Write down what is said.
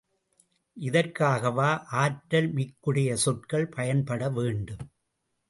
இதற்காகவா ஆற்றல் மிக்குடைய சொற்கள் பயன்பட வேண்டும்.